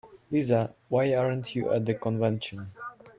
Lisa, why aren't you at the convention?